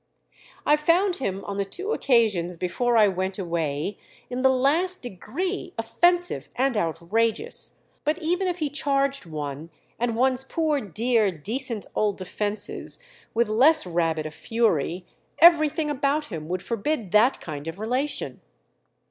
"I found him on the two occasions before I went away in the last degree offensive and outrageous; but even if he charged one and one's poor dear decent old defences with less rabid a fury everything about him would forbid that kind of relation."